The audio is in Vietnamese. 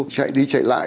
chạy đi chạy lại